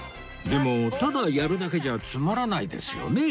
でもただやるだけじゃつまらないですよね？